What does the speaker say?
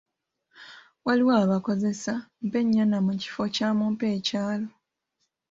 Waliwo abakozesa ,“Mpa ennyana” mu kifo kya “mumpe ekyalo”.